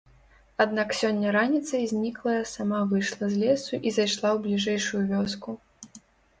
Аднак сёння раніцай зніклая сама выйшла з лесу і зайшла ў бліжэйшую вёску.